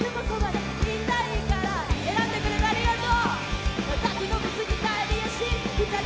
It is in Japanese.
選んでくれてありがとう！